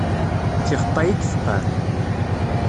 D tixeṭṭay i ifeqqeɛ.